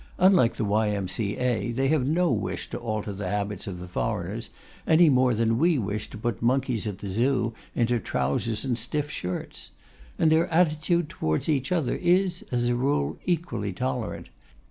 Unlike the Y.M.C.A., they have no wish to alter the habits of the foreigners, any more than we wish to put the monkeys at the Zoo into trousers and stiff shirts. And their attitude towards each other is, as a rule, equally tolerant.